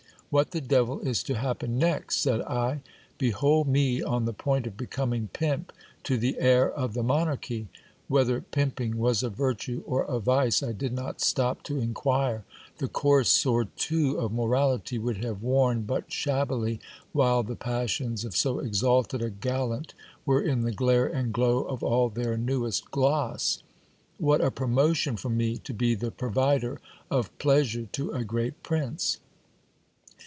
What the devil is to happen next ? said I. Be hold me on the point of becoming pimp to the heir of the monarchy. Whether pimping was a virtue or a vice, I did not stop to inquire : the coarse surtout of morality would have worn but shabbily while the passions of so exalted a gallant were in the glare and glow of all their newest gloss. What a promotion for me to be the provider of pleasure to a great prince